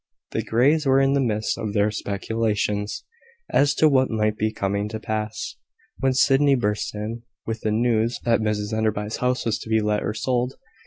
The Greys were in the midst of their speculations, as to what might be coming to pass, when Sydney burst in, with the news that Mrs Enderby's house was to be "Let or Sold."